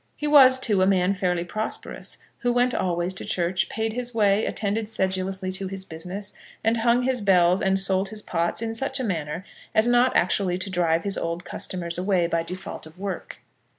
He was, too, a man fairly prosperous, who went always to church, paid his way, attended sedulously to his business, and hung his bells, and sold his pots in such a manner as not actually to drive his old customers away by default of work.